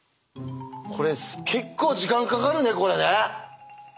これ結構時間かかるねこれね。